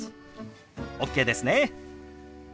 ＯＫですね。